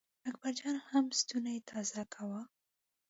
اکبر جان هم ستونی تازه کاوه.